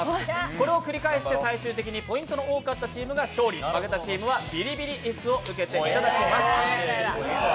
これを繰り返し最終的にポイントの多かったチームが勝利負けたチームはビリビリ椅子を受けていただきます。